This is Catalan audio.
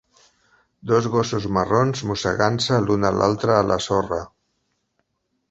Dos gossos marrons mossegant-se l'un a l'altre a la sorra.